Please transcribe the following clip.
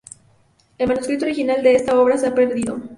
El manuscrito original de esta obra se ha perdido.